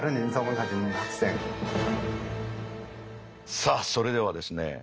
さあそれではですね